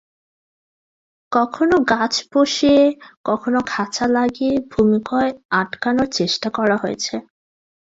কখনও গাছ বসিয়ে, কখনও খাঁচা লাগিয়ে ভূমিক্ষয় আটকানোর চেষ্টা হয়েছে।